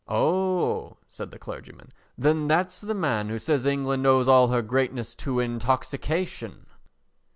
"Oh," said the clergyman, "then that's the man who says England owes all her greatness to intoxication."